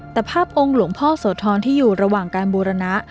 แต่ภาพองค์หลวงพ่อโสธรที่อยู่ระหว่างการบูรณะ